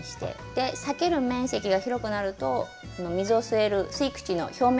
裂ける面積が広くなると水を吸える吸い口の表面積が広がるので。